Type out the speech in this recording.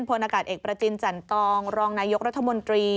อย่างเช่นผลอากาศเอกประจินจันทรองรองนายกรัฐมนตรี